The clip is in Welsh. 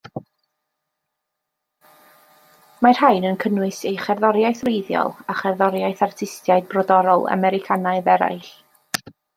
Mae'r rhain yn cynnwys ei cherddoriaeth wreiddiol a cherddoriaeth artistiaid Brodorol Americanaidd eraill.